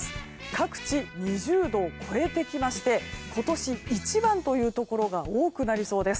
各地、２０度を超えてきまして今年一番というところが多くなりそうです。